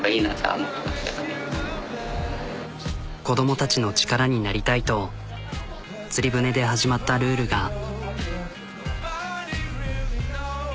子どもたちの力になりたいとつり舟で始まったルールが。